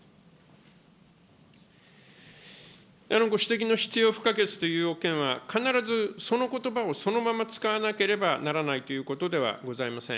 ご指摘の必要不可欠という要件は、必ずそのことばをそのまま使わなければならないということではございません。